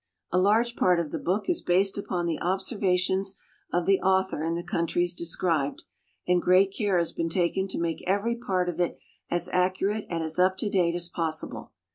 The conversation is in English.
A large part of the book is based upon the observations of the author in the countries described, and great care has been taken to make every part of it as accurate and as up to date as possible.